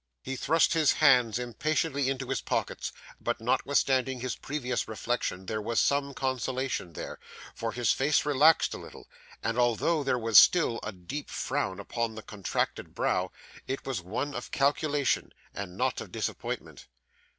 He thrust his hands impatiently into his pockets, but notwithstanding his previous reflection there was some consolation there, for his face relaxed a little; and although there was still a deep frown upon the contracted brow, it was one of calculation, and not of disappointment.